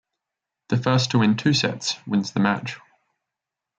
The first to win two sets wins the match.